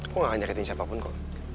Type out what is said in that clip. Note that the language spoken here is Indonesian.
gua gak akan jaga tiap siapapun kok